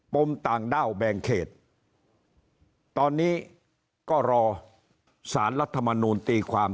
มต่างด้าวแบ่งเขตตอนนี้ก็รอสารรัฐมนูลตีความ